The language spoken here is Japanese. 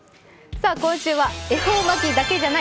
今週は「恵方巻だけじゃない！